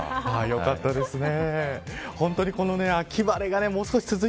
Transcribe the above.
よかったですね。